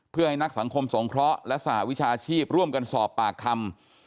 เพื่อให้นักสังคมสงเคราะห์และสหวิชาชีพร่วมกันสอบปากคำ